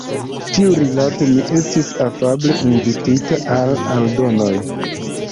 Tiurilate mi estis afable invitita al aldonoj.